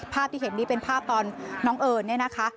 ภาพที่เห็นนี่เป็นภาพตอนน้องเอิญเนี่ยนะคะ